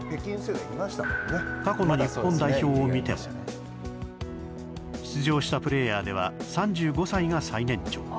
過去の日本代表を見ても出場したプレーヤーでは３５歳が最年長。